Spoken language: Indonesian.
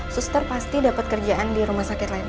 suster pasti dapat kerjaan di rumah sakit lain